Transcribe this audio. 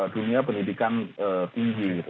dunia pendidikan tinggi gitu